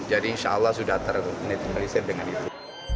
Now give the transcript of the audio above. jadi insya allah sudah terpenuhi dengan itu